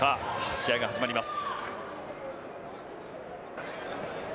試合が始まります。